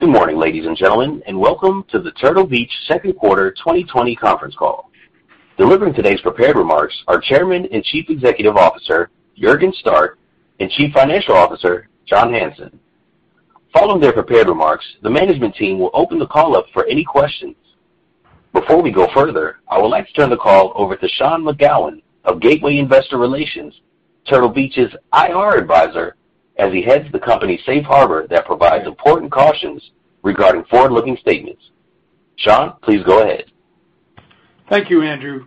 Good morning, ladies and gentlemen, and welcome to the Turtle Beach second quarter 2020 conference call. Delivering today's prepared remarks are Chairman and Chief Executive Officer Juergen Stark and Chief Financial Officer John Hanson. Following their prepared remarks, the management team will open the call up for any questions. Before we go further, I would like to turn the call over to Sean McGowan of Gateway Investor Relations, Turtle Beach's IR Advisor, as he reads the company's safe harbor that provides important cautions regarding forward-looking statements. Sean, please go ahead. Thank you, Andrew.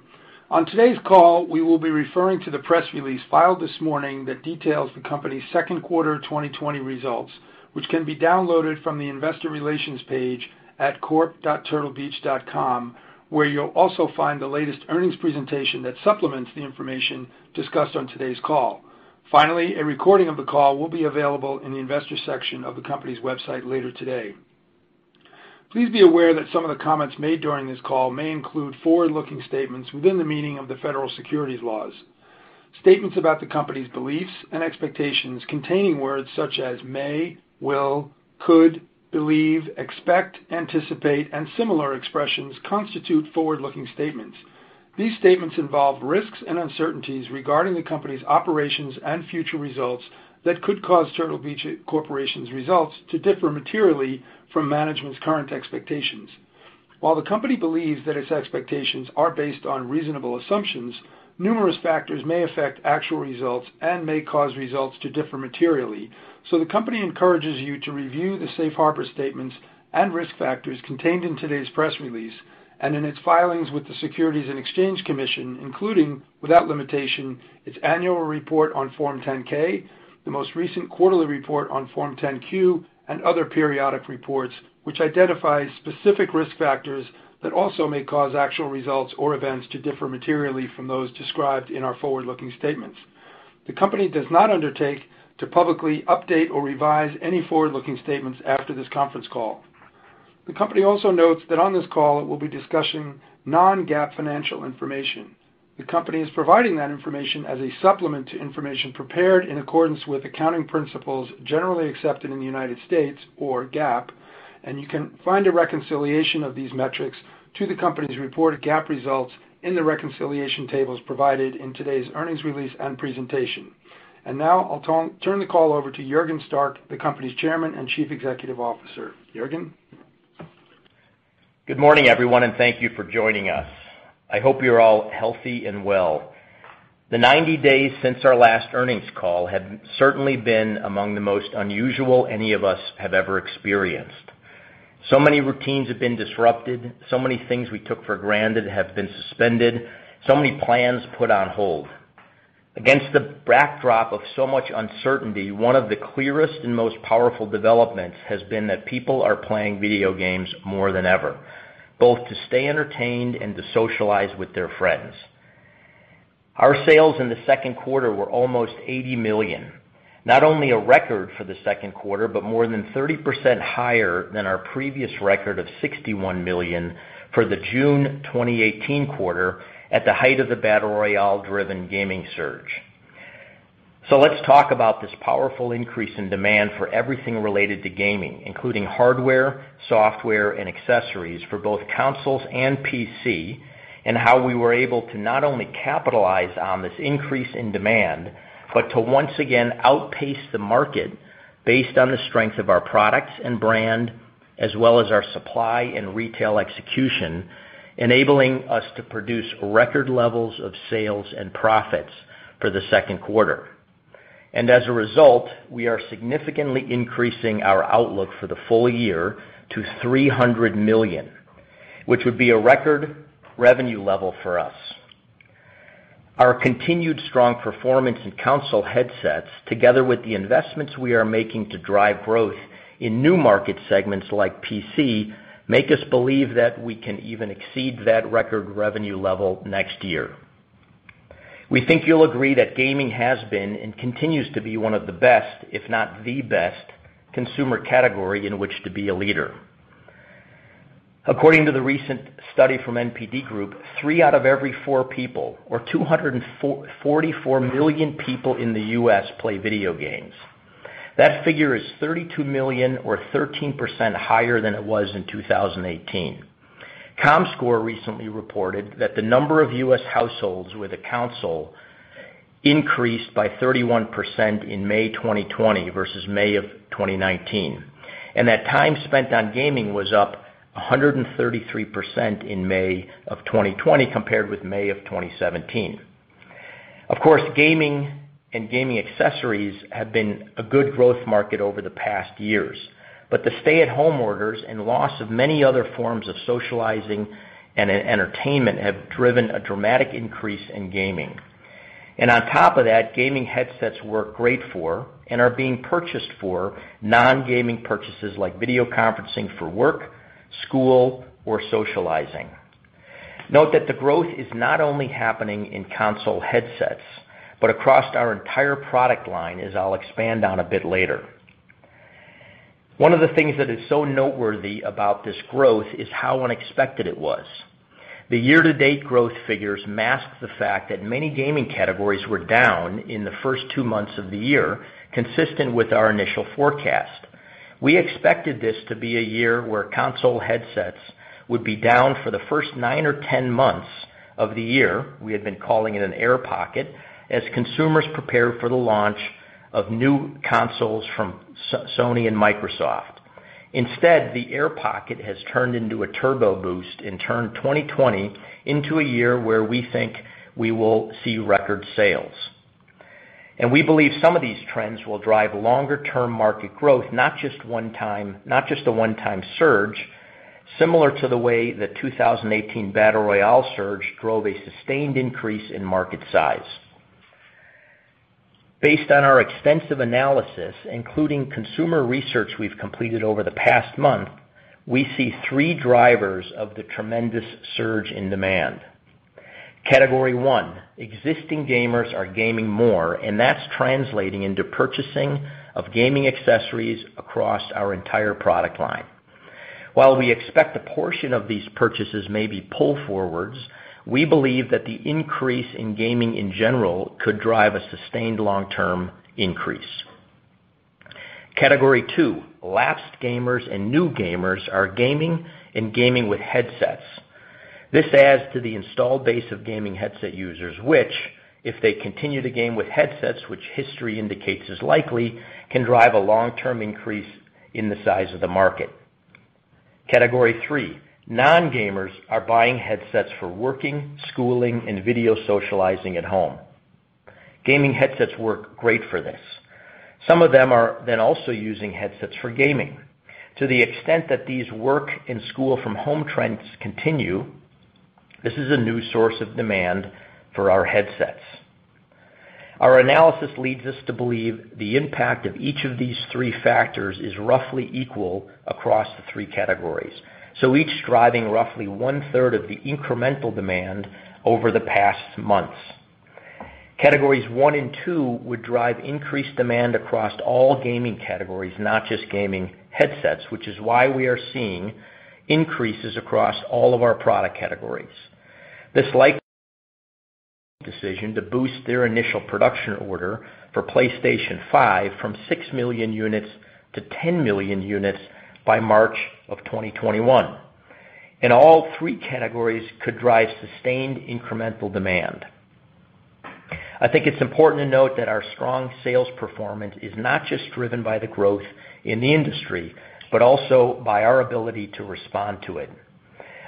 On today's call, we will be referring to the press release filed this morning that details the company's second quarter 2020 results, which can be downloaded from the Investor Relations page at corp.turtlebeach.com, where you'll also find the latest earnings presentation that supplements the information discussed on today's call. Finally, a recording of the call will be available in the investor section of the company's website later today. Please be aware that some of the comments made during this call may include forward-looking statements within the meaning of the federal securities laws. Statements about the company's beliefs and expectations containing words such as may, will, could, believe, expect, anticipate, and similar expressions constitute forward-looking statements. These statements involve risks and uncertainties regarding the company's operations and future results that could cause Turtle Beach Corporation's results to differ materially from management's current expectations. While the company believes that its expectations are based on reasonable assumptions, numerous factors may affect actual results and may cause results to differ materially, so the company encourages you to review the safe harbor statements and risk factors contained in today's press release and in its filings with the Securities and Exchange Commission, including, without limitation, its annual report on Form 10-K, the most recent quarterly report on Form 10-Q, and other periodic reports which identify specific risk factors that also may cause actual results or events to differ materially from those described in our forward-looking statements. The company does not undertake to publicly update or revise any forward-looking statements after this conference call. The company also notes that on this call, it will be discussing non-GAAP financial information. The company is providing that information as a supplement to information prepared in accordance with accounting principles generally accepted in the United States, or GAAP, and you can find a reconciliation of these metrics to the company's reported GAAP results in the reconciliation tables provided in today's earnings release and presentation. And now, I'll turn the call over to Juergen Stark, the company's Chairman and Chief Executive Officer. Juergen? Good morning, everyone, and thank you for joining us. I hope you're all healthy and well. The 90 days since our last earnings call have certainly been among the most unusual any of us have ever experienced. So many routines have been disrupted, so many things we took for granted have been suspended, so many plans put on hold. Against the backdrop of so much uncertainty, one of the clearest and most powerful developments has been that people are playing video games more than ever, both to stay entertained and to socialize with their friends. Our sales in the second quarter were almost $80 million, not only a record for the second quarter but more than 30% higher than our previous record of $61 million for the June 2018 quarter at the height of the Battle Royale-driven gaming surge. So let's talk about this powerful increase in demand for everything related to gaming, including hardware, software, and accessories for both consoles and PC, and how we were able to not only capitalize on this increase in demand but to once again outpace the market based on the strength of our products and brand, as well as our supply and retail execution, enabling us to produce record levels of sales and profits for the second quarter. And as a result, we are significantly increasing our outlook for the full year to $300 million, which would be a record revenue level for us. Our continued strong performance in console headsets, together with the investments we are making to drive growth in new market segments like PC, make us believe that we can even exceed that record revenue level next year. We think you'll agree that gaming has been and continues to be one of the best, if not the best, consumer category in which to be a leader. According to the recent study from NPD Group, three out of every four people, or 244 million people in the U.S., play video games. That figure is 32 million, or 13% higher than it was in 2018. Comscore recently reported that the number of U.S. households with a console increased by 31% in May 2020 versus May of 2019, and that time spent on gaming was up 133% in May of 2020 compared with May of 2017. Of course, gaming and gaming accessories have been a good growth market over the past years, but the stay-at-home orders and loss of many other forms of socializing and entertainment have driven a dramatic increase in gaming. On top of that, gaming headsets were great for and are being purchased for non-gaming purchases like video conferencing for work, school, or socializing. Note that the growth is not only happening in console headsets but across our entire product line, as I'll expand on a bit later. One of the things that is so noteworthy about this growth is how unexpected it was. The year-to-date growth figures mask the fact that many gaming categories were down in the first two months of the year, consistent with our initial forecast. We expected this to be a year where console headsets would be down for the first nine or 10 months of the year, we had been calling it an air pocket, as consumers prepared for the launch of new consoles from Sony and Microsoft. Instead, the air pocket has turned into a turbo boost and turned 2020 into a year where we think we will see record sales, and we believe some of these trends will drive longer-term market growth, not just a one-time surge similar to the way the 2018 Battle Royale surge drove a sustained increase in market size. Based on our extensive analysis, including consumer research we've completed over the past month, we see three drivers of the tremendous surge in demand. Category 1: existing gamers are gaming more, and that's translating into purchasing of gaming accessories across our entire product line. While we expect a portion of these purchases may be pulled forwards, we believe that the increase in gaming in general could drive a sustained long-term increase. Category 2: lapsed gamers and new gamers are gaming and gaming with headsets. This adds to the installed base of gaming headset users which, if they continue to game with headsets, which history indicates is likely, can drive a long-term increase in the size of the market. Category 3: non-gamers are buying headsets for working, schooling, and video socializing at home. Gaming headsets work great for this. Some of them are then also using headsets for gaming. To the extent that these work-and-school-from-home trends continue, this is a new source of demand for our headsets. Our analysis leads us to believe the impact of each of these three factors is roughly equal across the three categories, so each driving roughly one-third of the incremental demand over the past months. Categories one and two would drive increased demand across all gaming categories, not just gaming headsets, which is why we are seeing increases across all of our product categories. This likely decision to boost their initial production order for PlayStation 5 from 6 million units to 10 million units by March of 2021, and all three categories could drive sustained incremental demand. I think it's important to note that our strong sales performance is not just driven by the growth in the industry but also by our ability to respond to it.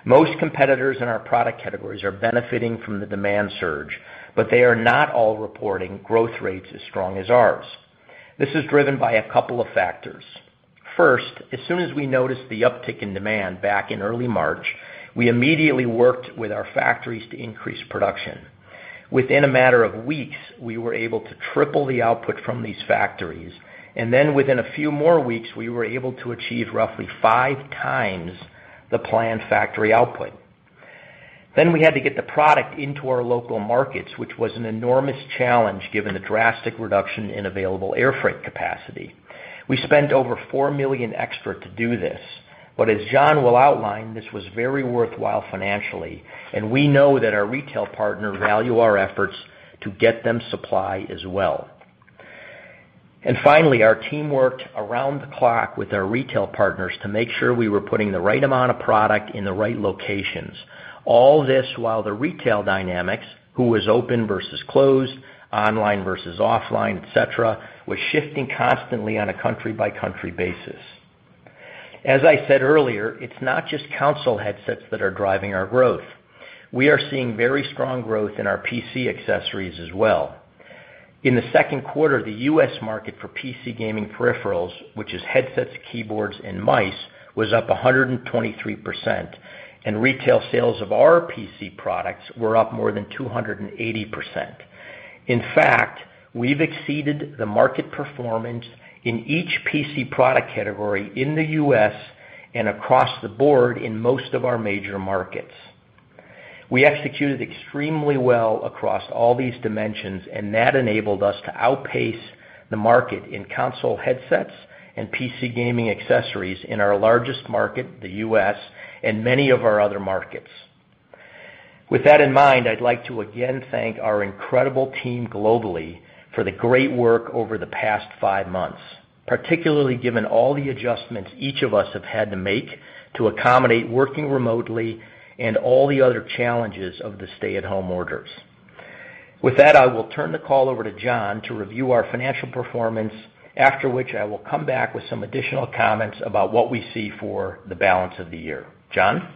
Most competitors in our product categories are benefiting from the demand surge, but they are not all reporting growth rates as strong as ours. This is driven by a couple of factors. First, as soon as we noticed the uptick in demand back in early March, we immediately worked with our factories to increase production. Within a matter of weeks, we were able to triple the output from these factories, and then within a few more weeks, we were able to achieve roughly 5x the planned factory output. Then we had to get the product into our local markets, which was an enormous challenge given the drastic reduction in available air freight capacity. We spent over $4 million extra to do this, but as John will outline, this was very worthwhile financially, and we know that our retail partners value our efforts to get them supply as well. And finally, our team worked around the clock with our retail partners to make sure we were putting the right amount of product in the right locations, all this while the retail dynamics, who was open versus closed, online versus offline, etc., was shifting constantly on a country-by-country basis. As I said earlier, it's not just console headsets that are driving our growth. We are seeing very strong growth in our PC accessories as well. In the second quarter, the U.S. market for PC gaming peripherals, which is headsets, keyboards, and mice, was up 123%, and retail sales of our PC products were up more than 280%. In fact, we've exceeded the market performance in each PC product category in the U.S. and across the board in most of our major markets. We executed extremely well across all these dimensions, and that enabled us to outpace the market in console headsets and PC gaming accessories in our largest market, the U.S., and many of our other markets. With that in mind, I'd like to again thank our incredible team globally for the great work over the past five months, particularly given all the adjustments each of us have had to make to accommodate working remotely and all the other challenges of the stay-at-home orders. With that, I will turn the call over to John to review our financial performance, after which I will come back with some additional comments about what we see for the balance of the year. John?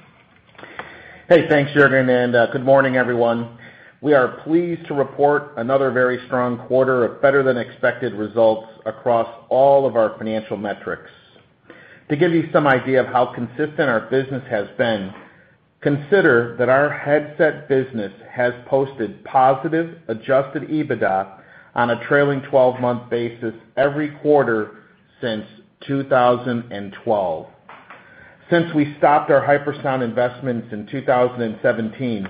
Hey, thanks, Juergen, and good morning, everyone. We are pleased to report another very strong quarter of better-than-expected results across all of our financial metrics. To give you some idea of how consistent our business has been, consider that our headset business has posted positive Adjusted EBITDA on a trailing 12-month basis every quarter since 2012. Since we stopped our HyperSound investments in 2017,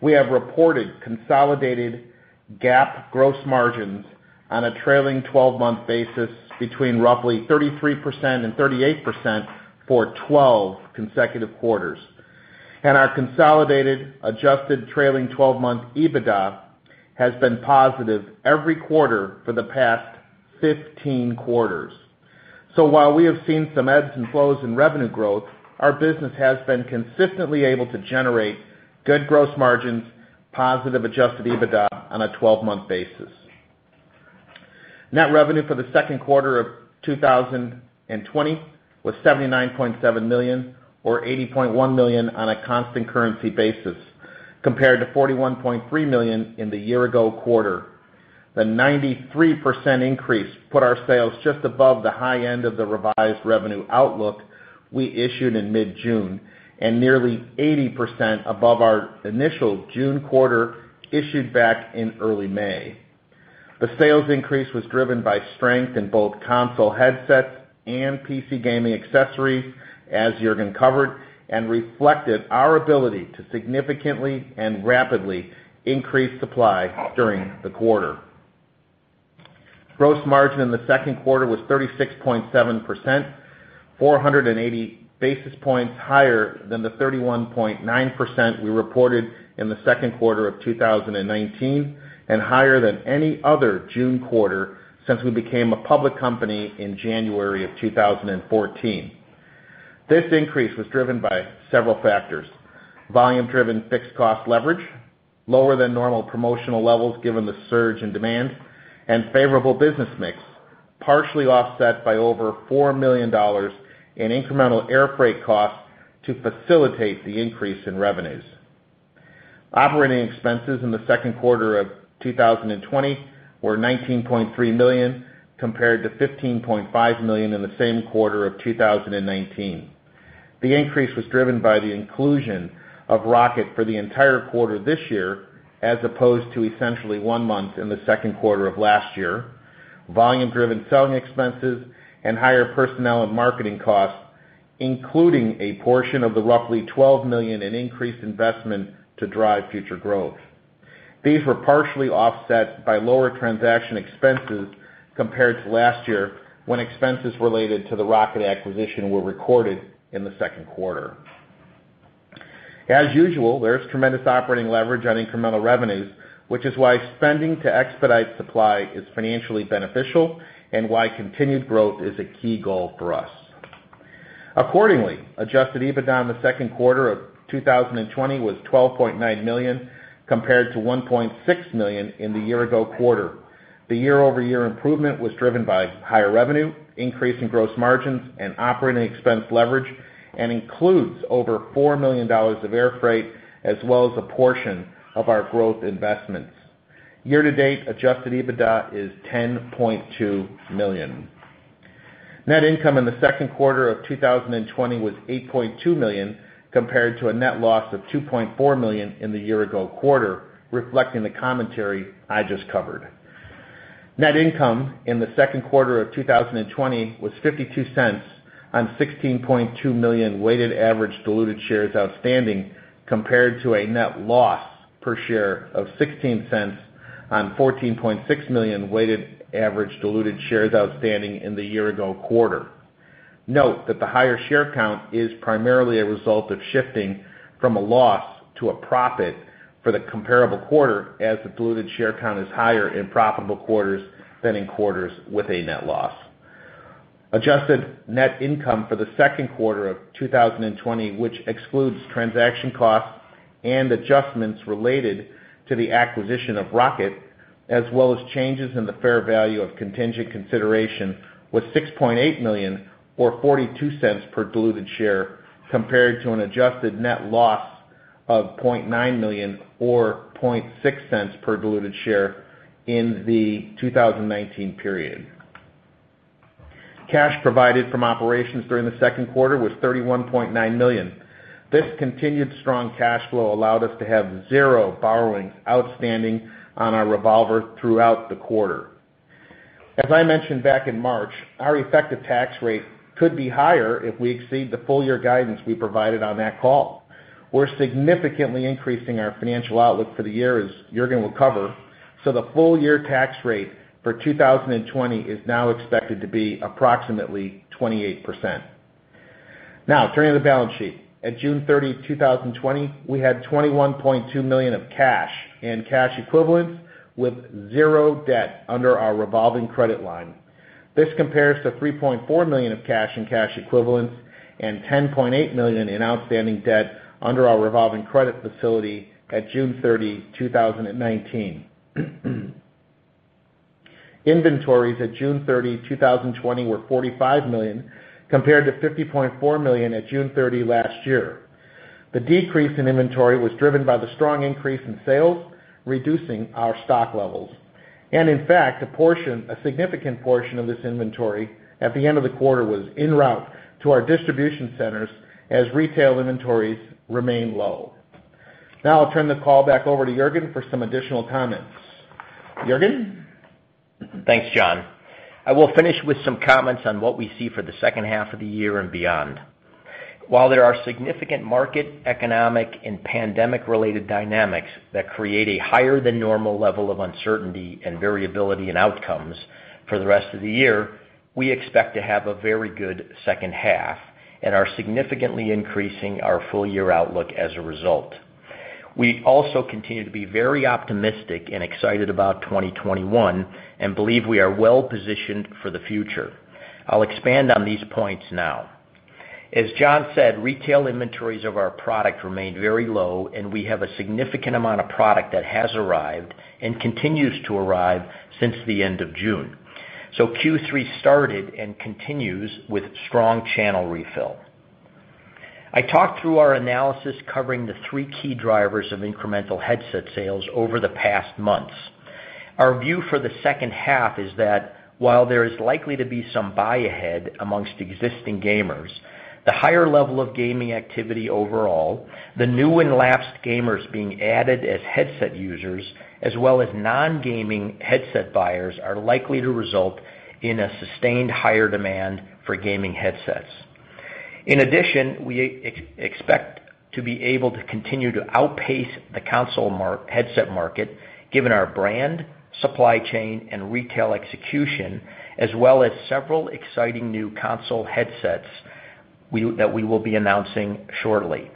we have reported consolidated GAAP gross margins on a trailing 12-month basis between roughly 33% and 38% for 12 consecutive quarters, and our consolidated adjusted trailing 12-month EBITDA has been positive every quarter for the past 15 quarters, so while we have seen some ebbs and flows in revenue growth, our business has been consistently able to generate good gross margins, positive Adjusted EBITDA on a 12-month basis. Net revenue for the second quarter of 2020 was $79.7 million, or $80.1 million on a constant currency basis, compared to $41.3 million in the year-ago quarter. The 93% increase put our sales just above the high end of the revised revenue outlook we issued in mid-June and nearly 80% above our initial June quarter issued back in early May. The sales increase was driven by strength in both console headsets and PC gaming accessories, as Juergen covered, and reflected our ability to significantly and rapidly increase supply during the quarter. Gross margin in the second quarter was 36.7%, 480 basis points higher than the 31.9% we reported in the second quarter of 2019 and higher than any other June quarter since we became a public company in January of 2014. This increase was driven by several factors: volume-driven fixed cost leverage, lower-than-normal promotional levels given the surge in demand, and favorable business mix, partially offset by over $4 million in incremental air freight costs to facilitate the increase in revenues. Operating expenses in the second quarter of 2020 were $19.3 million compared to $15.5 million in the same quarter of 2019. The increase was driven by the inclusion of ROCCAT for the entire quarter this year, as opposed to essentially one month in the second quarter of last year, volume-driven selling expenses, and higher personnel and marketing costs, including a portion of the roughly $12 million in increased investment to drive future growth. These were partially offset by lower transaction expenses compared to last year when expenses related to the ROCCAT acquisition were recorded in the second quarter. As usual, there is tremendous operating leverage on incremental revenues, which is why spending to expedite supply is financially beneficial and why continued growth is a key goal for us. Accordingly, Adjusted EBITDA in the second quarter of 2020 was $12.9 million compared to $1.6 million in the year-ago quarter. The year-over-year improvement was driven by higher revenue, increase in gross margins, and operating expense leverage, and includes over $4 million of air freight as well as a portion of our growth investments. Year-to-date Adjusted EBITDA is $10.2 million. Net income in the second quarter of 2020 was $8.2 million compared to a net loss of $2.4 million in the year-ago quarter, reflecting the commentary I just covered. Net income in the second quarter of 2020 was $0.52 on 16.2 million weighted average diluted shares outstanding compared to a net loss per share of $0.16 on 14.6 million weighted average diluted shares outstanding in the year-ago quarter. Note that the higher share count is primarily a result of shifting from a loss to a profit for the comparable quarter, as the diluted share count is higher in profitable quarters than in quarters with a net loss. Adjusted net income for the second quarter of 2020, which excludes transaction costs and adjustments related to the acquisition of ROCCAT as well as changes in the fair value of contingent consideration, was $6.8 million, or $0.42 per diluted share compared to an adjusted net loss of $0.9 million, or $0.006 per diluted share in the 2019 period. Cash provided from operations during the second quarter was $31.9 million. This continued strong cash flow allowed us to have zero borrowings outstanding on our revolver throughout the quarter. As I mentioned back in March, our effective tax rate could be higher if we exceed the full-year guidance we provided on that call. We're significantly increasing our financial outlook for the year, as Juergen will cover, so the full-year tax rate for 2020 is now expected to be approximately 28%. Now, turning to the balance sheet, at June 30, 2020, we had $21.2 million of cash and cash equivalents with zero debt under our revolving credit line. This compares to $3.4 million of cash and cash equivalents and $10.8 million in outstanding debt under our revolving credit facility at June 30, 2019. Inventories at June 30, 2020, were $45 million compared to $50.4 million at June 30 last year. The decrease in inventory was driven by the strong increase in sales, reducing our stock levels. And in fact, a significant portion of this inventory at the end of the quarter was en route to our distribution centers as retail inventories remained low. Now I'll turn the call back over to Juergen for some additional comments. Juergen? Thanks, John. I will finish with some comments on what we see for the second half of the year and beyond. While there are significant market, economic, and pandemic-related dynamics that create a higher-than-normal level of uncertainty and variability in outcomes for the rest of the year, we expect to have a very good second half and are significantly increasing our full-year outlook as a result. We also continue to be very optimistic and excited about 2021 and believe we are well-positioned for the future. I'll expand on these points now. As John said, retail inventories of our product remain very low, and we have a significant amount of product that has arrived and continues to arrive since the end of June. So Q3 started and continues with strong channel refill. I talked through our analysis covering the three key drivers of incremental headset sales over the past months. Our view for the second half is that while there is likely to be some buy ahead amongst existing gamers, the higher level of gaming activity overall, the new and lapsed gamers being added as headset users, as well as non-gaming headset buyers, are likely to result in a sustained higher demand for gaming headsets. In addition, we expect to be able to continue to outpace the console headset market given our brand, supply chain, and retail execution, as well as several exciting new console headsets that we will be announcing shortly,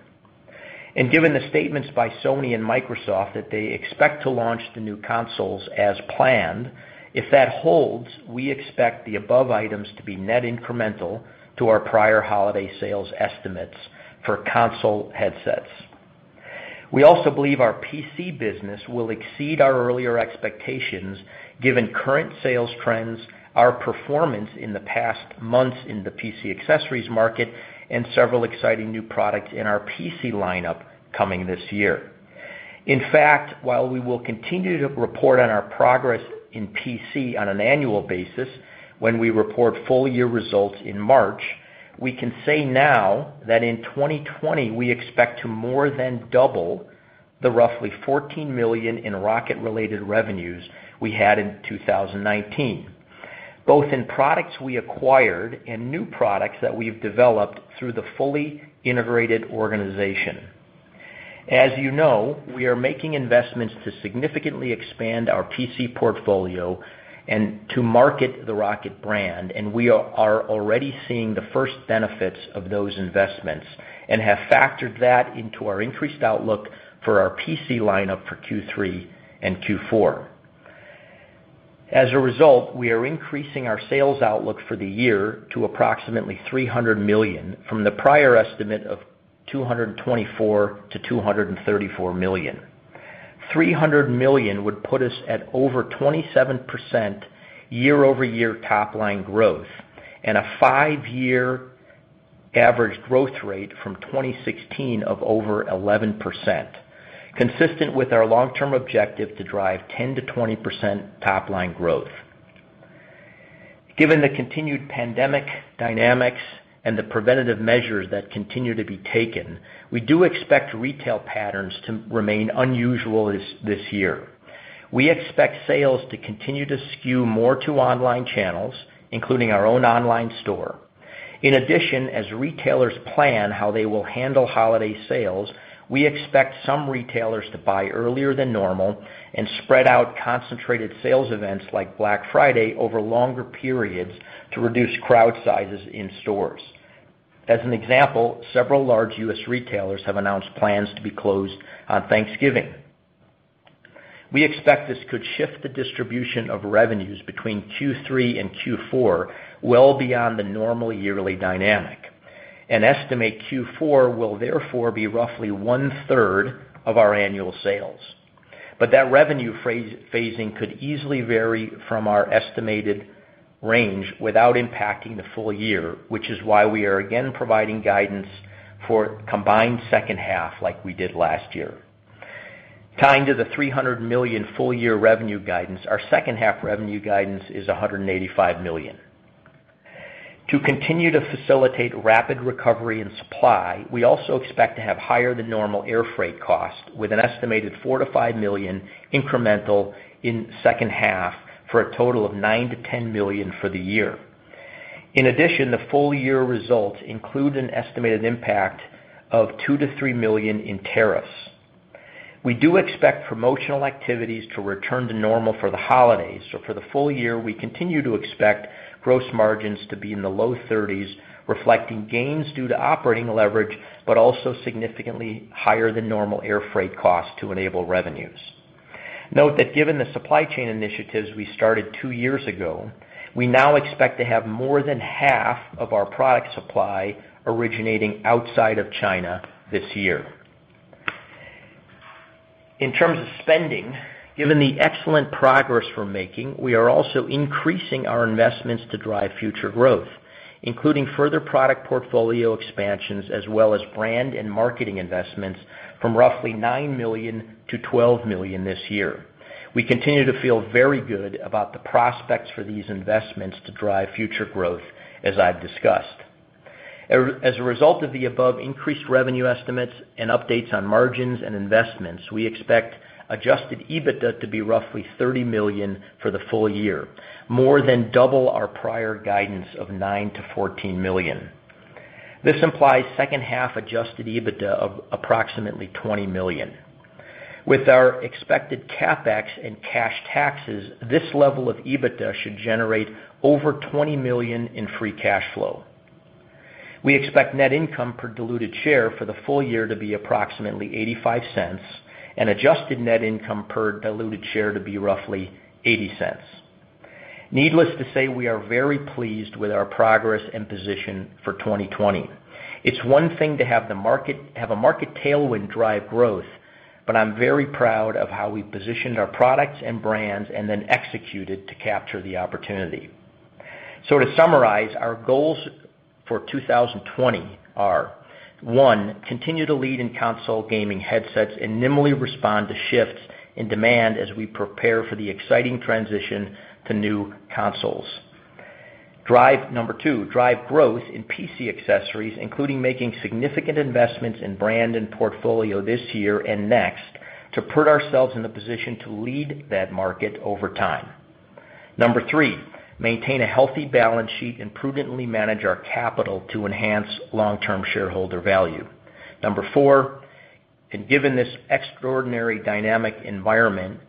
and given the statements by Sony and Microsoft that they expect to launch the new consoles as planned, if that holds, we expect the above items to be net incremental to our prior holiday sales estimates for console headsets. We also believe our PC business will exceed our earlier expectations given current sales trends, our performance in the past months in the PC accessories market, and several exciting new products in our PC lineup coming this year. In fact, while we will continue to report on our progress in PC on an annual basis when we report full-year results in March, we can say now that in 2020 we expect to more than double the roughly $14 million in ROCCAT-related revenues we had in 2019, both in products we acquired and new products that we've developed through the fully integrated organization. As you know, we are making investments to significantly expand our PC portfolio and to market the ROCCAT brand, and we are already seeing the first benefits of those investments and have factored that into our increased outlook for our PC lineup for Q3 and Q4. As a result, we are increasing our sales outlook for the year to approximately $300 million from the prior estimate of $224 million-$234 million. $300 million would put us at over 27% year-over-year top-line growth and a five-year average growth rate from 2016 of over 11%, consistent with our long-term objective to drive 10%-20% top-line growth. Given the continued pandemic dynamics and the preventative measures that continue to be taken, we do expect retail patterns to remain unusual this year. We expect sales to continue to skew more to online channels, including our own online store. In addition, as retailers plan how they will handle holiday sales, we expect some retailers to buy earlier than normal and spread out concentrated sales events like Black Friday over longer periods to reduce crowd sizes in stores. As an example, several large U.S. retailers have announced plans to be closed on Thanksgiving. We expect this could shift the distribution of revenues between Q3 and Q4 well beyond the normal yearly dynamic and estimate Q4 will therefore be roughly one-third of our annual sales but that revenue phasing could easily vary from our estimated range without impacting the full year, which is why we are again providing guidance for combined second half like we did last year. Tying to the $300 million full-year revenue guidance, our second half revenue guidance is $185 million. To continue to facilitate rapid recovery in supply, we also expect to have higher-than-normal air freight costs with an estimated $4 million-$5 million incremental in second half for a total of $9 million-$10 million for the year. In addition, the full-year results include an estimated impact of $2 million-$3 million in tariffs. We do expect promotional activities to return to normal for the holidays, so for the full year, we continue to expect gross margins to be in the low 30s, reflecting gains due to operating leverage but also significantly higher-than-normal air freight costs to enable revenues. Note that given the supply chain initiatives we started two years ago, we now expect to have more than half of our product supply originating outside of China this year. In terms of spending, given the excellent progress we're making, we are also increasing our investments to drive future growth, including further product portfolio expansions as well as brand and marketing investments from roughly $9 million-$12 million this year. We continue to feel very good about the prospects for these investments to drive future growth, as I've discussed. As a result of the above increased revenue estimates and updates on margins and investments, we expect Adjusted EBITDA to be roughly $30 million for the full year, more than double our prior guidance of $9 million-$14 million. This implies second half Adjusted EBITDA of approximately $20 million. With our expected CapEx and cash taxes, this level of EBITDA should generate over $20 million in free cash flow. We expect net income per diluted share for the full year to be approximately $0.85 and adjusted net income per diluted share to be roughly $0.80. Needless to say, we are very pleased with our progress and position for 2020. It's one thing to have a market tailwind drive growth, but I'm very proud of how we positioned our products and brands and then executed to capture the opportunity. So to summarize, our goals for 2020 are: one, continue to lead in console gaming headsets and nimbly respond to shifts in demand as we prepare for the exciting transition to new consoles. Number two, drive growth in PC accessories, including making significant investments in brand and portfolio this year and next to put ourselves in a position to lead that market over time. Number three, maintain a healthy balance sheet and prudently manage our capital to enhance long-term shareholder value. Number four, and given this extraordinary dynamic environment,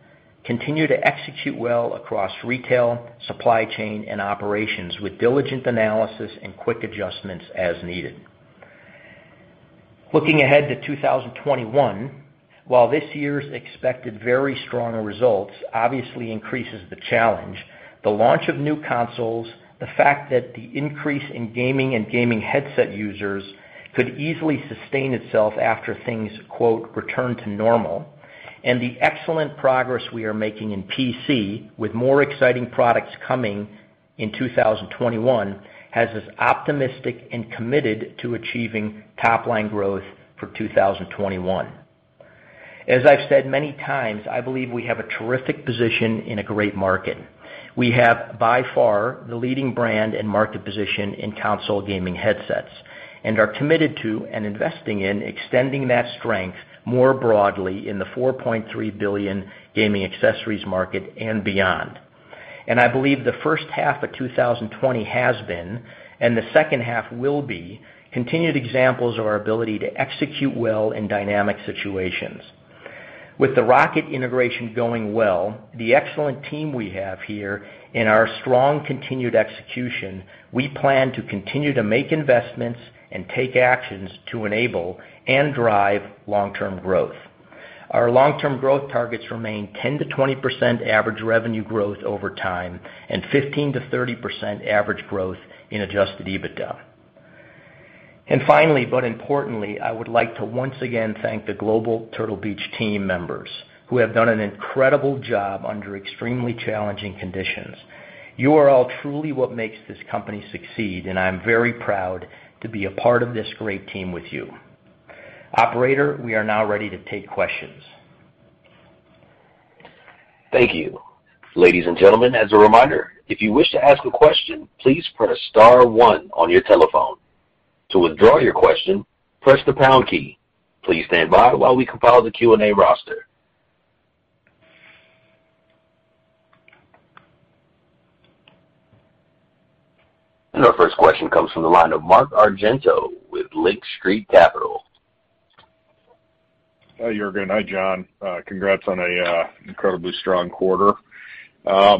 continue to execute well across retail, supply chain, and operations with diligent analysis and quick adjustments as needed. Looking ahead to 2021, while this year's expected very strong results obviously increases the challenge, the launch of new consoles, the fact that the increase in gaming and gaming headset users could easily sustain itself after things "return to normal," and the excellent progress we are making in PC with more exciting products coming in 2021 has us optimistic and committed to achieving top-line growth for 2021. As I've said many times, I believe we have a terrific position in a great market. We have by far the leading brand and market position in console gaming headsets and are committed to and investing in extending that strength more broadly in the 4.3 billion gaming accessories market and beyond, and I believe the first half of 2020 has been and the second half will be continued examples of our ability to execute well in dynamic situations. With the ROCCAT integration going well, the excellent team we have here, and our strong continued execution, we plan to continue to make investments and take actions to enable and drive long-term growth. Our long-term growth targets remain 10%-20% average revenue growth over time and 15%-30% average growth in Adjusted EBITDA. And finally, but importantly, I would like to once again thank the global Turtle Beach team members who have done an incredible job under extremely challenging conditions. You are all truly what makes this company succeed, and I'm very proud to be a part of this great team with you. Operator, we are now ready to take questions. Thank you. Ladies and gentlemen, as a reminder, if you wish to ask a question, please press star one on your telephone. To withdraw your question, press the pound key. Please stand by while we compile the Q&A roster, and our first question comes from the line of Mark Argento with Lake Street Capital. Hey, Juergen. Hi, John. Congrats on an incredibly strong quarter. A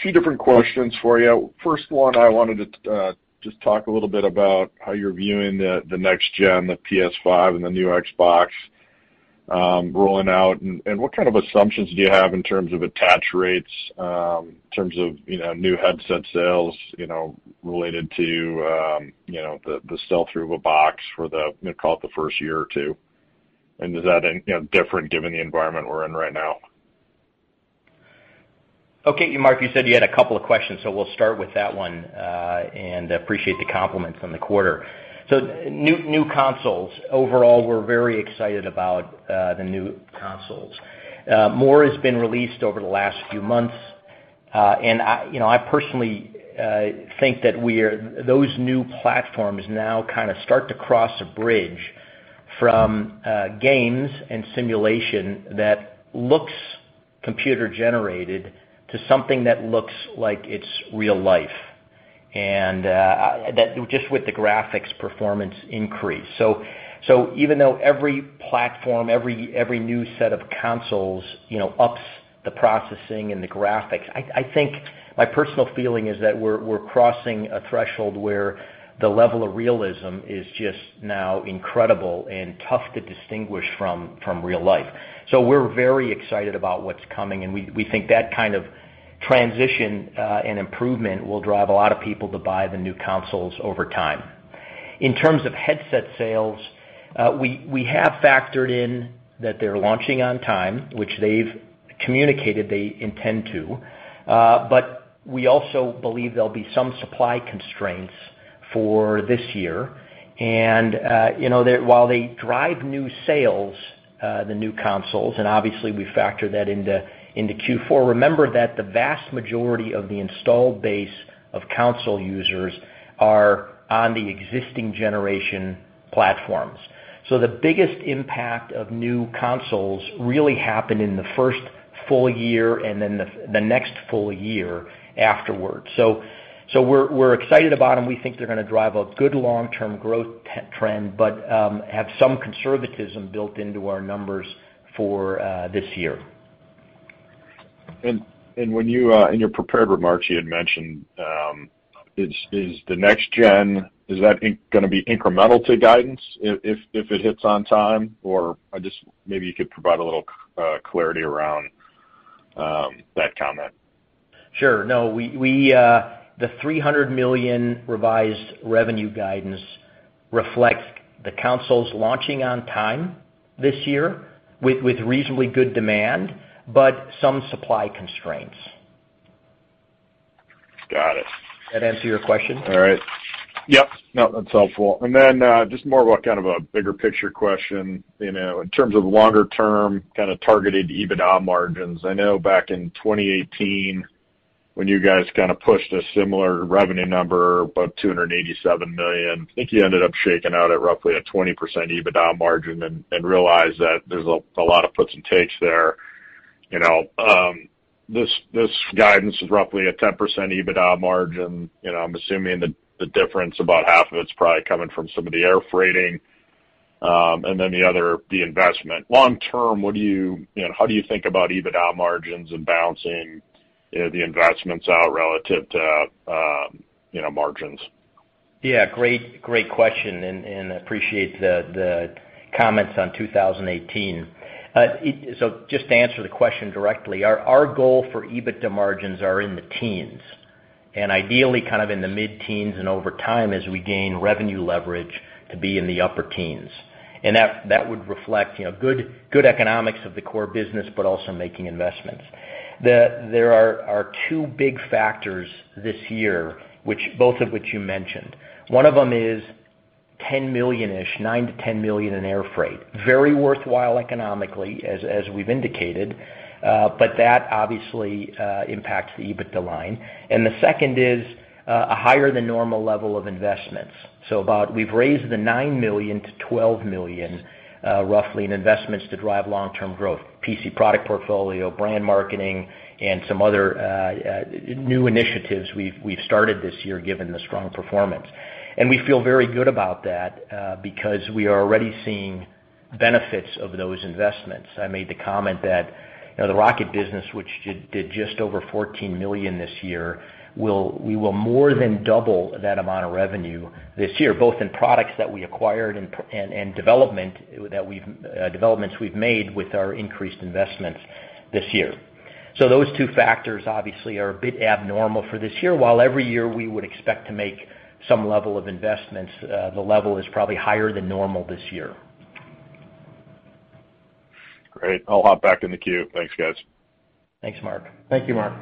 few different questions for you. First one, I wanted to just talk a little bit about how you're viewing the next gen, the PS5 and the new Xbox rolling out, and what kind of assumptions do you have in terms of attach rates, in terms of new headset sales related to the sell-through of a box for the, call it the first year or two? And is that different given the environment we're in right now? Okay. Mark, you said you had a couple of questions, so we'll start with that one and appreciate the compliments on the quarter. So new consoles, overall, we're very excited about the new consoles. More has been released over the last few months, and I personally think that those new platforms now kind of start to cross a bridge from games and simulation that looks computer-generated to something that looks like it's real life, and just with the graphics performance increase. So even though every platform, every new set of consoles ups the processing and the graphics, I think my personal feeling is that we're crossing a threshold where the level of realism is just now incredible and tough to distinguish from real life. So we're very excited about what's coming, and we think that kind of transition and improvement will drive a lot of people to buy the new consoles over time. In terms of headset sales, we have factored in that they're launching on time, which they've communicated they intend to, but we also believe there'll be some supply constraints for this year. And while they drive new sales, the new consoles, and obviously we factor that into Q4, remember that the vast majority of the installed base of console users are on the existing generation platforms. So the biggest impact of new consoles really happened in the first full year and then the next full year afterward. So we're excited about them. We think they're going to drive a good long-term growth trend but have some conservatism built into our numbers for this year. In your prepared remarks, you had mentioned, is the next gen, is that going to be incremental to guidance if it hits on time? Or maybe you could provide a little clarity around that comment. Sure. No, the $300 million revised revenue guidance reflects the consoles launching on time this year with reasonably good demand but some supply constraints. Got it. Did that answer your question? All right. Yep. No, that's helpful, and then just more of a kind of a bigger picture question in terms of longer-term kind of targeted EBITDA margins. I know back in 2018 when you guys kind of pushed a similar revenue number, about $287 million, I think you ended up shaking out at roughly a 20% EBITDA margin and realized that there's a lot of puts and takes there. This guidance is roughly a 10% EBITDA margin. I'm assuming the difference, about half of it's probably coming from some of the air freighting and then the other the investment. Long-term, how do you think about EBITDA margins and balancing the investments out relative to margins? Yeah. Great question, and I appreciate the comments on 2018, so just to answer the question directly, our goal for EBITDA margins are in the teens and ideally kind of in the mid-teens and over time as we gain revenue leverage to be in the upper teens, and that would reflect good economics of the core business but also making investments. There are two big factors this year, both of which you mentioned. One of them is $9 million-10 million in air freight, very worthwhile economically, as we've indicated, but that obviously impacts the EBITDA line, and the second is a higher-than-normal level of investments, so we've raised the $9 million-12 million roughly in investments to drive long-term growth, PC product portfolio, brand marketing, and some other new initiatives we've started this year given the strong performance. We feel very good about that because we are already seeing benefits of those investments. I made the comment that the ROCCAT business, which did just over $14 million this year, we will more than double that amount of revenue this year, both in products that we acquired and developments we've made with our increased investments this year. So those two factors obviously are a bit abnormal for this year. While every year we would expect to make some level of investments, the level is probably higher than normal this year. Great. I'll hop back in the queue. Thanks, guys. Thanks, Mark. Thank you, Mark.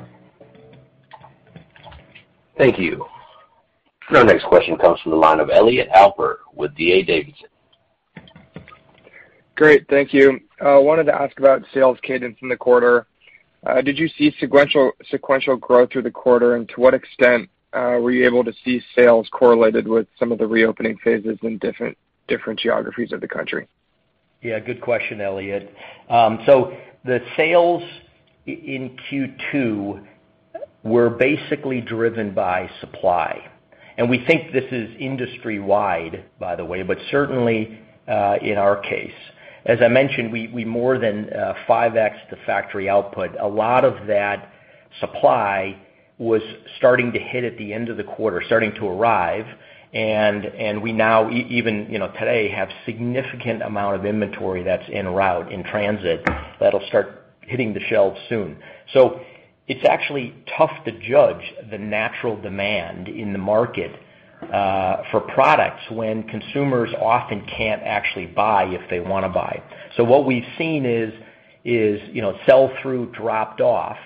Thank you. Our next question comes from the line of Elliot Alper with D.A. Davidson. Great. Thank you. I wanted to ask about sales cadence in the quarter. Did you see sequential growth through the quarter, and to what extent were you able to see sales correlated with some of the reopening phases in different geographies of the country? Yeah. Good question, Elliot. So the sales in Q2 were basically driven by supply, and we think this is industry-wide, by the way, but certainly in our case. As I mentioned, we more than 5x the factory output. A lot of that supply was starting to hit at the end of the quarter, starting to arrive, and we now, even today, have a significant amount of inventory that's en route, in transit. That'll start hitting the shelves soon, so it's actually tough to judge the natural demand in the market for products when consumers often can't actually buy if they want to buy, so what we've seen is sell-through dropped off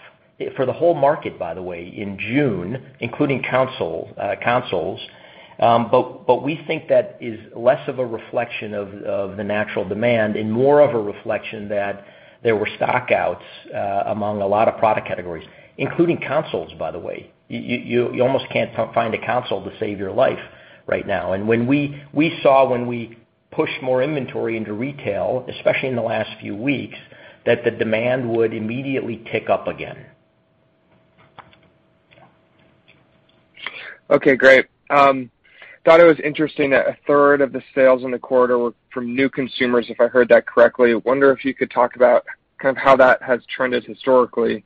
for the whole market, by the way, in June, including consoles. but we think that is less of a reflection of the natural demand and more of a reflection that there were stockouts among a lot of product categories, including consoles, by the way. You almost can't find a console to save your life right now, and we saw when we pushed more inventory into retail, especially in the last few weeks, that the demand would immediately tick up again. Okay. Great. I thought it was interesting that a third of the sales in the quarter were from new consumers, if I heard that correctly. I wonder if you could talk about kind of how that has trended historically.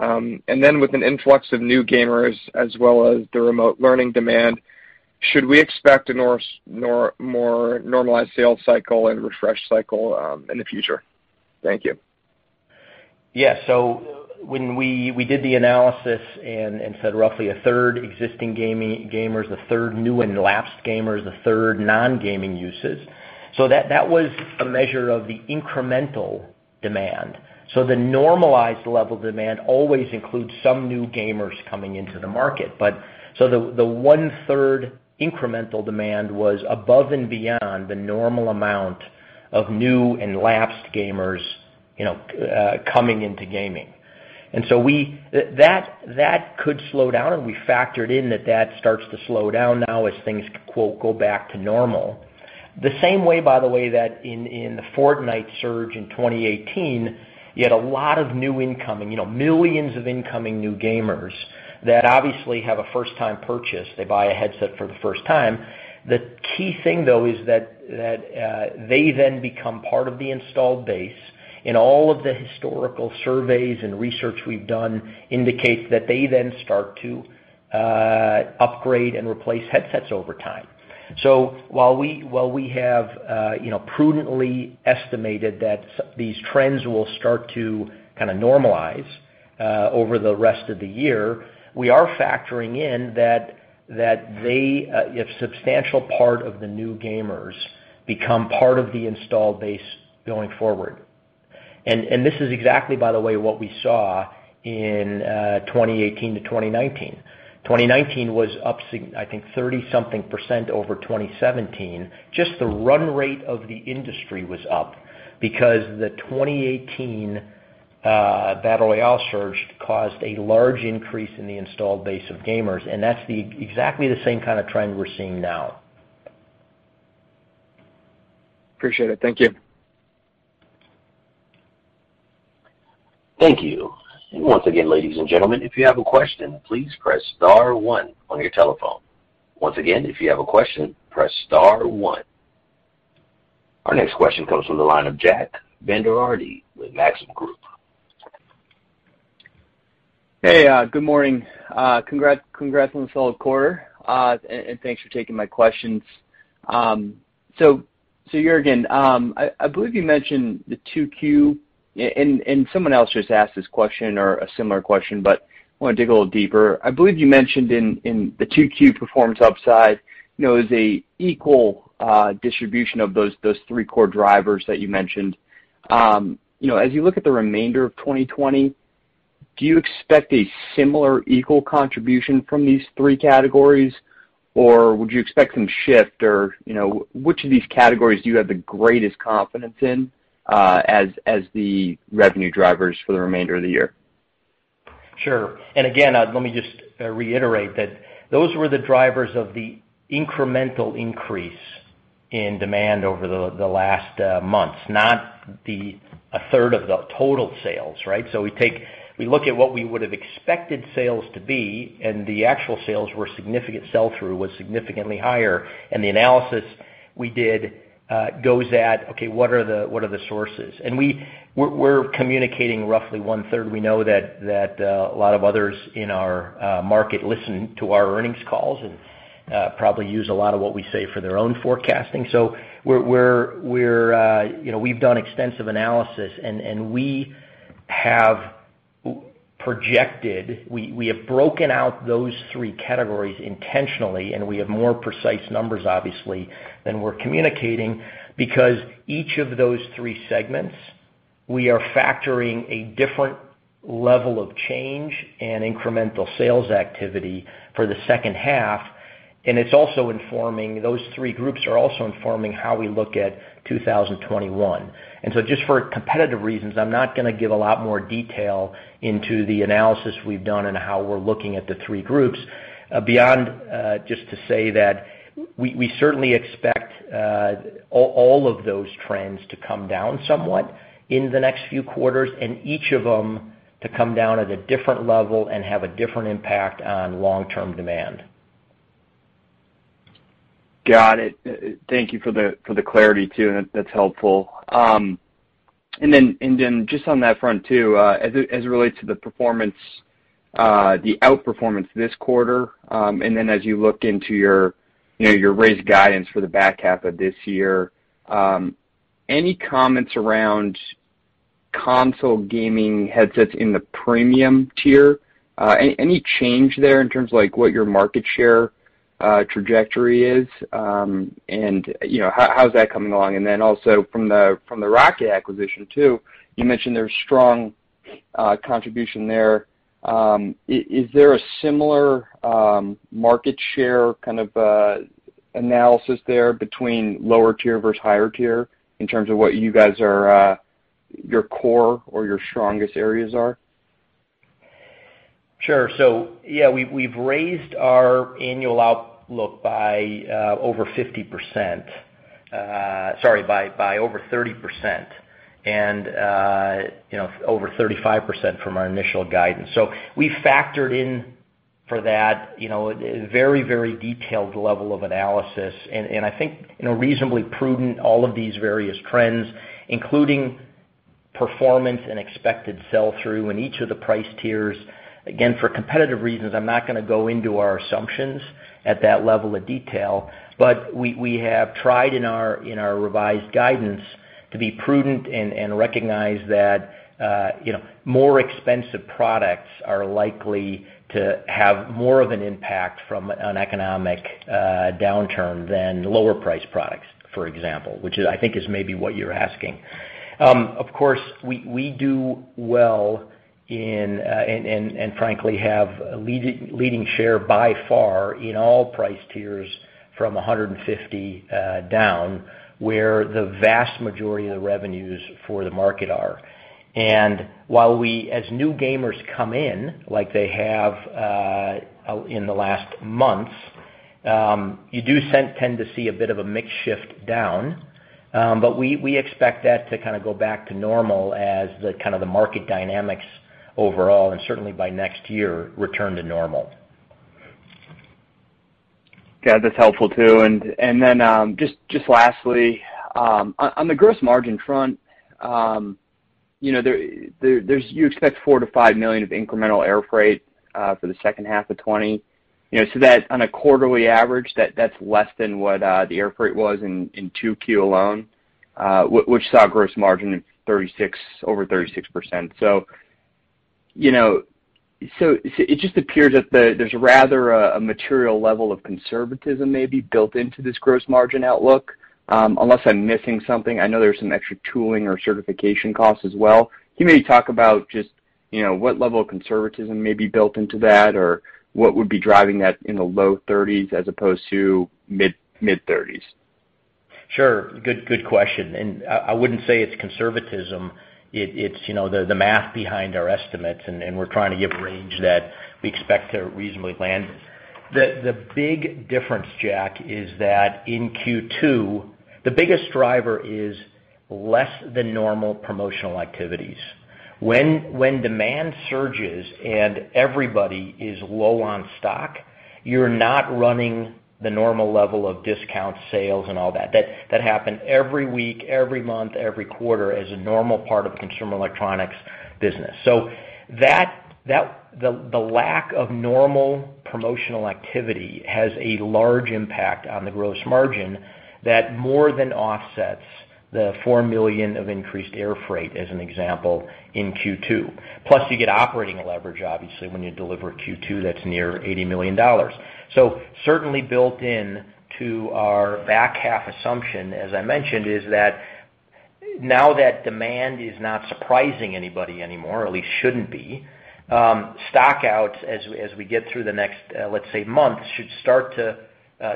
And then with an influx of new gamers as well as the remote learning demand, should we expect a more normalized sales cycle and refresh cycle in the future? Thank you. Yeah. So when we did the analysis and said roughly a third existing gamers, a third new and lapsed gamers, a third non-gaming uses, so that was a measure of the incremental demand. So the normalized level of demand always includes some new gamers coming into the market. So the one-third incremental demand was above and beyond the normal amount of new and lapsed gamers coming into gaming. And so that could slow down, and we factored in that that starts to slow down now as things "go back to normal." The same way, by the way, that in the Fortnite surge in 2018, you had a lot of new incoming, millions of incoming new gamers that obviously have a first-time purchase. They buy a headset for the first time. The key thing, though, is that they then become part of the installed base. And all of the historical surveys and research we've done indicate that they then start to upgrade and replace headsets over time. So while we have prudently estimated that these trends will start to kind of normalize over the rest of the year, we are factoring in that a substantial part of the new gamers become part of the installed base going forward. And this is exactly, by the way, what we saw in 2018-2019. 2019 was up, I think, 30-something% over 2017. Just the run rate of the industry was up because the 2018 Battle Royale surge caused a large increase in the installed base of gamers. And that's exactly the same kind of trend we're seeing now. Appreciate it. Thank you. Thank you. And once again, ladies and gentlemen, if you have a question, please press star one on your telephone. Once again, if you have a question, press star one. Our next question comes from the line of Jack Vander Aarde with Maxim. Hey. Good morning. Congrats on the second quarter, and thanks for taking my questions. So Juergen, I believe you mentioned the 2Q, and someone else just asked this question or a similar question, but I want to dig a little deeper. I believe you mentioned in the 2Q performance upside is an equal distribution of those three core drivers that you mentioned. As you look at the remainder of 2020, do you expect a similar equal contribution from these three categories, or would you expect some shift? Or which of these categories do you have the greatest confidence in as the revenue drivers for the remainder of the year? Sure. And again, let me just reiterate that those were the drivers of the incremental increase in demand over the last months, not a third of the total sales, right? So we look at what we would have expected sales to be, and the actual sales were significant. Sell-through was significantly higher, and the analysis we did goes at, okay, what are the sources? And we're communicating roughly one-third. We know that a lot of others in our market listen to our earnings calls and probably use a lot of what we say for their own forecasting. So we've done extensive analysis, and we have projected. We have broken out those three categories intentionally, and we have more precise numbers, obviously, than we're communicating because each of those three segments, we are factoring a different level of change and incremental sales activity for the second half. And it's also informing those three groups are also informing how we look at 2021. And so just for competitive reasons, I'm not going to give a lot more detail into the analysis we've done and how we're looking at the three groups beyond just to say that we certainly expect all of those trends to come down somewhat in the next few quarters and each of them to come down at a different level and have a different impact on long-term demand. Got it. Thank you for the clarity, too. That's helpful. And then just on that front, too, as it relates to the outperformance this quarter, and then as you look into your raised guidance for the back half of this year, any comments around console gaming headsets in the premium tier? Any change there in terms of what your market share trajectory is? And how's that coming along? And then also from the ROCCAT acquisition, too, you mentioned there's strong contribution there. Is there a similar market share kind of analysis there between lower tier versus higher tier in terms of what you guys are your core or your strongest areas are? Sure. So yeah, we've raised our annual outlook by over 50%, sorry, by over 30% and over 35% from our initial guidance. So we factored in for that a very, very detailed level of analysis. And I think reasonably prudent, all of these various trends, including performance and expected sell-through in each of the price tiers. Again, for competitive reasons, I'm not going to go into our assumptions at that level of detail. But we have tried in our revised guidance to be prudent and recognize that more expensive products are likely to have more of an impact from an economic downturn than lower-priced products, for example, which I think is maybe what you're asking. Of course, we do well and frankly have a leading share by far in all price tiers from 150 down, where the vast majority of the revenues for the market are. And while we, as new gamers come in, like they have in the last months, you do tend to see a bit of a mix shift down. But we expect that to kind of go back to normal as kind of the market dynamics overall and certainly by next year return to normal. Yeah. That's helpful, too. And then just lastly, on the gross margin front, you expect $4 million-$5 million of incremental air freight for the second half of 2020. So that on a quarterly average, that's less than what the air freight was in 2Q alone, which saw gross margin of over 36%. So it just appears that there's rather a material level of conservatism maybe built into this gross margin outlook. Unless I'm missing something, I know there's some extra tooling or certification costs as well. Can you maybe talk about just what level of conservatism may be built into that or what would be driving that in the low 30s% as opposed to mid-30s%? Sure. Good question. And I wouldn't say it's conservatism. It's the math behind our estimates, and we're trying to give a range that we expect to reasonably land. The big difference, Jack, is that in Q2, the biggest driver is less than normal promotional activities. When demand surges and everybody is low on stock, you're not running the normal level of discount sales and all that. That happened every week, every month, every quarter as a normal part of the consumer electronics business. So the lack of normal promotional activity has a large impact on the gross margin that more than offsets the $4 million of increased air freight, as an example, in Q2. Plus, you get operating leverage, obviously, when you deliver Q2 that's near $80 million. So certainly built into our back half assumption, as I mentioned, is that now that demand is not surprising anybody anymore, or at least shouldn't be, stockouts as we get through the next, let's say, months should start to,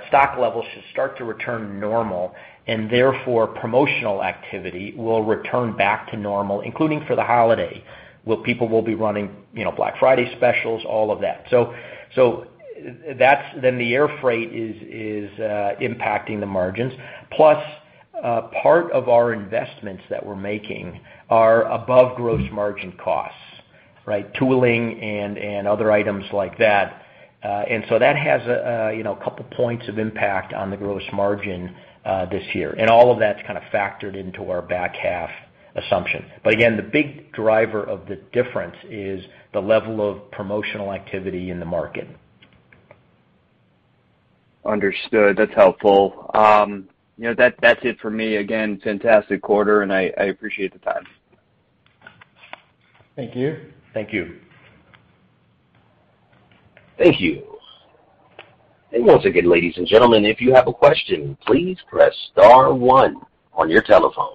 stock levels should start to return normal, and therefore promotional activity will return back to normal, including for the holiday, where people will be running Black Friday specials, all of that. So then the air freight is impacting the margins. Plus, part of our investments that we're making are above gross margin costs, right? Tooling and other items like that. And so that has a couple of points of impact on the gross margin this year. And all of that's kind of factored into our back half assumption. But again, the big driver of the difference is the level of promotional activity in the market. Understood. That's helpful. That's it for me. Again, fantastic quarter, and I appreciate the time. Thank you. Thank you. Thank you. And once again, ladies and gentlemen, if you have a question, please press star one on your telephone.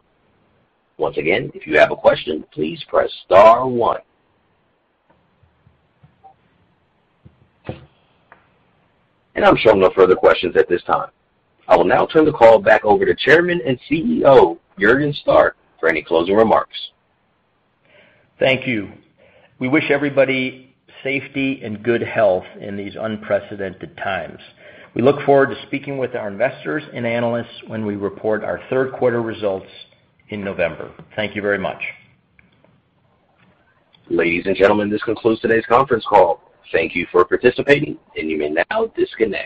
Once again, if you have a question, please press star one. And I'm showing no further questions at this time. I will now turn the call back over to Chairman and CEO Juergen Stark for any closing remarks. Thank you. We wish everybody safety and good health in these unprecedented times. We look forward to speaking with our investors and analysts when we report our third quarter results in November. Thank you very much. Ladies and gentlemen, this concludes today's conference call. Thank you for participating, and you may now disconnect.